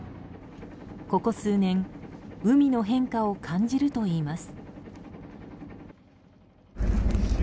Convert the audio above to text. ここ数年海の変化を感じるといいます。